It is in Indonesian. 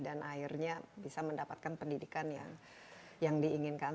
dan akhirnya bisa mendapatkan pendidikan yang diinginkan